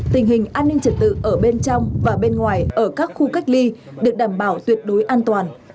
tình hình an ninh trật tự ở bên trong và bên ngoài ở các khu cách ly được đảm bảo tuyệt đối an toàn